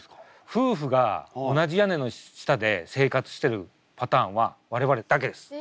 夫婦が同じ屋根の下で生活してるパターンは我々だけです。